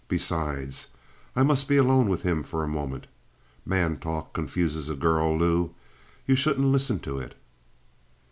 Besides, I must be alone with him for a moment. Man talk confuses a girl, Lou. You shouldn't listen to it."